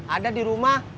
ada di rumah